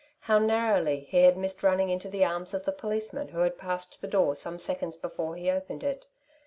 How narrowly he had missed running into the arms of the policeman who had passed the door some seconds before he opened it.